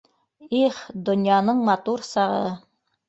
Их, донъяның матур сағы